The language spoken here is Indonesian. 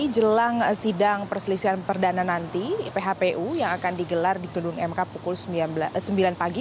jelang sidang perselisihan perdana nanti phpu yang akan digelar di gedung mk pukul sembilan pagi